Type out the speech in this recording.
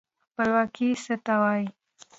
خپلواکي څه ته وايي؟